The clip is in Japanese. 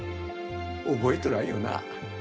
覚えとらんよな。